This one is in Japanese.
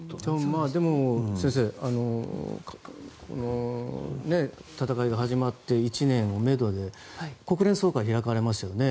でも、先生戦いが始まって１年をめどに国連総会、開かれますよね。